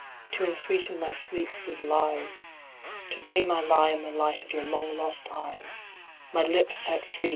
To ensweeten my sleep with lies, To dream I lie in the light of your long lost eyes, My lips set free.